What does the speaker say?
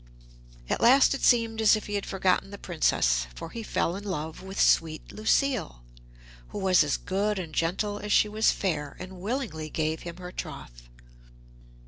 At last it seemed as if he had forgotten the Princess, for he fell in love with sweet Lucile, who was as good and gentle as she was fair, and willingly gave him her troth.